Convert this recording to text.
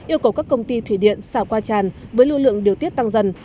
yêu cầu các công ty thủy điện xả qua tràn với lưu lượng điều tiết tăng dần